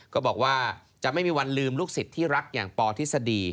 ก็บอกว่าจะไม่มีวันลืมลูกศิษย์ที่รักอย่างปทฤษฎี